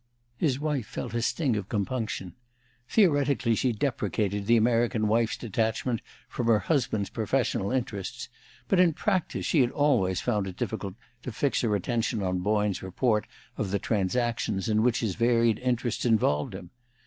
His wife felt a sting of compunction. Theoretically, she deprecated the American wife's detachment from her husband's professional interests, but in practice she had always found it difficult to fix her attention on Boyne's report of the transactions in which his varied interests involved him.